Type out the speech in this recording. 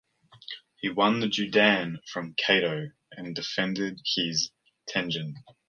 He won the Judan from Kato and defended his Tengen.